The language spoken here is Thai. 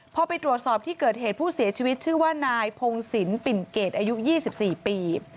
พอไปตรวจสอบที่เกิดเหตุผู้เสียชีวิตชื่อว่านายพงศิลปิ่นเกรดอายุ๒๔ปี